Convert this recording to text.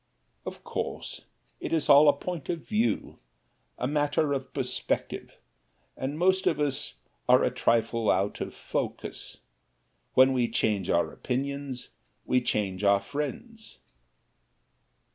Of course, it is all a point of view a matter of perspective, and most of us are a trifle out of focus. When we change our opinions we change our friends.